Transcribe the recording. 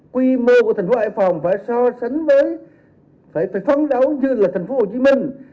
quy mô của thành phố hải phòng phải so sánh với phải phấn đấu như là thành phố hồ chí minh